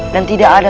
dan tidak ada